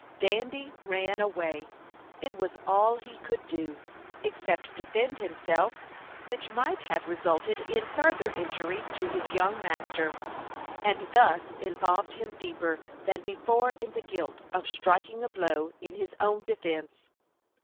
Dandy ran away. It was all he could do, except defend himself, which might have resulted in further injury to his young master, and thus involved him deeper than before in the guilt of striking a blow in his own defence.